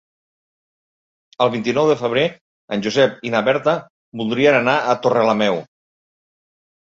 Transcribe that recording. El vint-i-nou de febrer en Josep i na Berta voldrien anar a Torrelameu.